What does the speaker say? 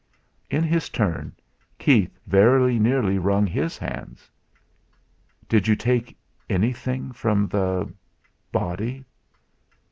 In his turn, Keith very nearly wrung his hands. "Did you take anything from the body?"